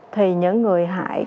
thì những người hại